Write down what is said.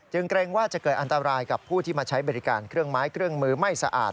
จึงแกล้งว่าจะเกิดอันตรายกับผู้ที่มาใช้บริการเครื่องไม้ไม่สะอาด